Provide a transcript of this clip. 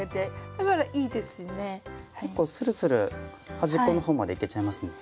結構するする端っこの方までいけちゃいますね。